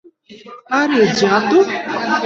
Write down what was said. আরে যা তো।